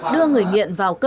đưa người nghiện vào cơ